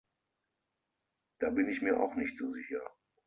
Da bin ich mir auch nicht so sicher.